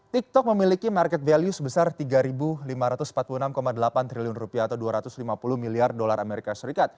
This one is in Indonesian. tiktok memiliki market value sebesar tiga lima ratus empat puluh enam delapan triliun rupiah atau dua ratus lima puluh miliar dolar amerika serikat